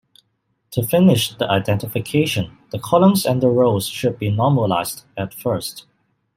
To finish the identification, the columns and the rows should be normalized at first.